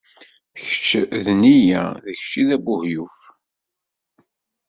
D kečč i d nniya, d kečč i d abuheyyuf.